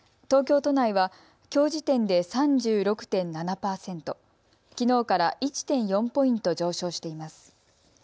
東京都内はきょう時点で３６．７％、きのうから１．４ポイント上昇しています。